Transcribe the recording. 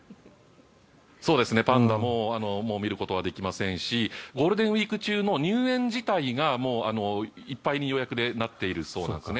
パンダも見ることはできませんしゴールデンウィーク中の入園自体がもう予約でいっぱいになっているそうです。